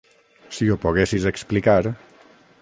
Si ho poguessis explicar.